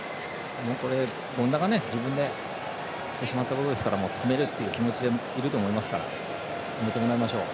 権田が自分でしてしまったことなので止めるという気持ちでいると思いますから止めてもらいましょう。